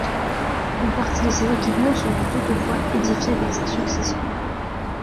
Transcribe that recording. Une partie de ces équipements seront toutefois édifiés par ses successeurs.